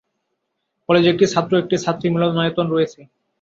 কলেজে একটি ছাত্র ও একটি ছাত্রী মিলনায়তন রয়েছে।